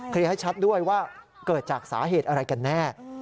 ให้ชัดด้วยว่าเกิดจากสาเหตุอะไรกันแน่